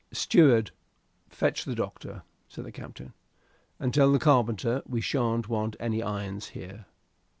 "Steward, fetch the doctor," said the captain, "and tell the carpenter we shan't want any irons here."